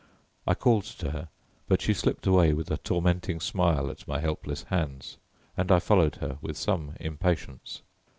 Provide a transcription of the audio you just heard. I called to her, but she slipped away with a tormenting smile at my helpless hands, and I followed her with some impatience.